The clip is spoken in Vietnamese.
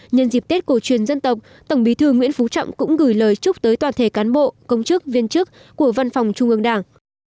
nhân dịp tết cổ truyền dân tộc tổng bí thư nguyễn phú trọng cũng gửi lời chúc tới toàn thể cán bộ công chức viên chức của văn phòng trung ương đảng